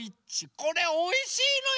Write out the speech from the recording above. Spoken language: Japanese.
これおいしいのよ。